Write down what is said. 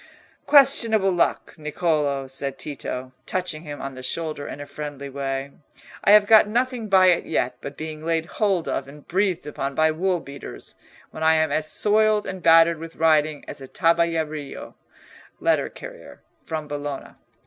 "Questionable luck, Niccolò," said Tito, touching him on the shoulder in a friendly way; "I have got nothing by it yet but being laid hold of and breathed upon by wool beaters, when I am as soiled and battered with riding as a tabellario (letter carrier) from Bologna."